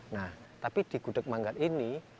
nah tapi di gudeg manggar ini